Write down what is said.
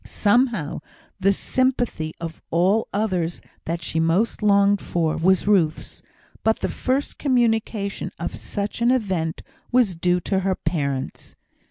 Somehow, the sympathy of all others that she most longed for was Ruth's; but the first communication of such an event was due to her parents.